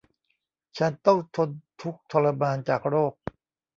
ฉันต้องทนทุกข์ทรมานจากโรค